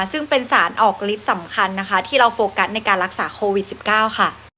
ซึ่งเป็นสารออกลิฟต์สำคัญนะคะที่เราโฟกัสในการรักษาโควิด๑๙ค่ะ